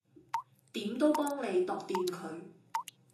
點都幫你度掂佢